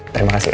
terima kasih ya